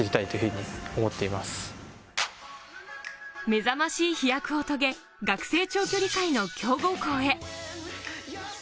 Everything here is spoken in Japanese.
めざましい飛躍を遂げ、学生長距離界の強豪校へ。